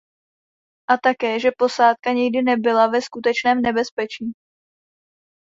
A také že posádka nikdy nebyla ve skutečném nebezpečí.